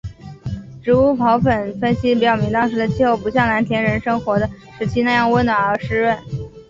植物孢粉分析表明当时的气候不像蓝田人生活的时期那样温暖而湿润。